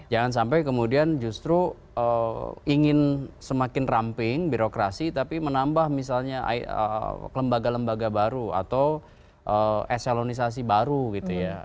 jangan sampai kemudian justru ingin semakin ramping birokrasi tapi menambah misalnya lembaga lembaga baru atau eselonisasi baru gitu ya